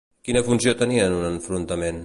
Quina funció tenia en un enfrontament?